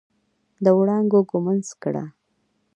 د وړانګو ږمنځ کړه